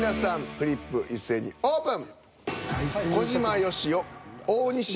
フリップ一斉にオープン。